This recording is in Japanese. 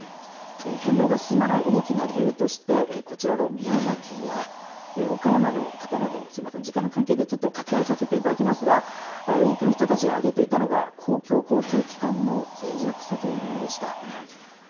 返納が進まない大きな理由として、こちらの宮崎や岡山の方など、すみません、時間の関係でちょっと割愛させていただきますが、多くの人たちが挙げていたのが公共交通機関のぜい弱さというものでした。